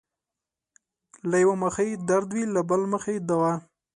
له يؤه مخه يې درد وي له بل مخه يې دوا